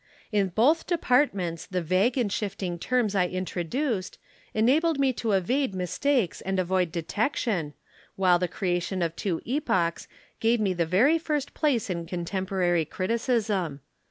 In both departments the vague and shifting terms I introduced enabled me to evade mistakes and avoid detection, while the creation of two epochs gave me the very first place in contemporary criticism.